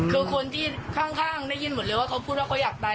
คือคนที่ข้างได้ยินหมดเลยว่าเขาพูดว่าเขาอยากตาย